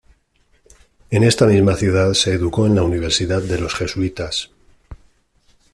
En esta misma ciudad se educó en la universidad de los jesuitas.